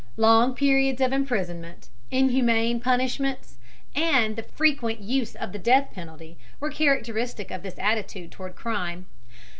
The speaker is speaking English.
Long periods of imprisonment, inhuman punishments, and the frequent use of the death penalty were characteristic of this attitude toward crime.